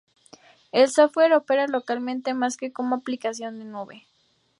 El software opera localmente más que como aplicación de nube.